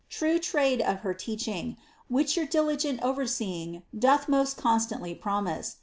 tnie trade of her teaching, which joat diligent overseeing doth most constantly promise.